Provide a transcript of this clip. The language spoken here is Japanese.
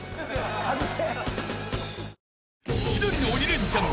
外せ。